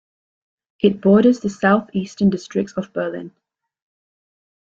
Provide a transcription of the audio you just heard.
It borders the southeastern districts of Berlin.